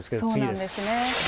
そうなんですね。